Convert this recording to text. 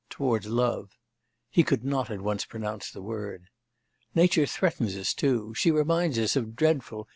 towards love.' (He could not at once pronounce the word.) 'Nature threatens us, too; she reminds us of dreadful...